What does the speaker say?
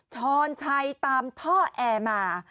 ช้อนชัยตามท่อแอร์มา